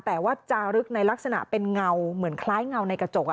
แต่ว่าจารึกในลักษณะเป็นเงาเหมือนคล้ายเงาในกระจก